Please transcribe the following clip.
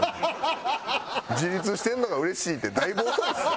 「自立してるのがうれしい」ってだいぶ遅いですよ。